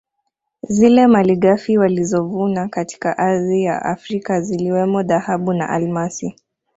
Zile malighafi walizovuna katika ardhi ya Afrika ziliwemo dhahabu na almasi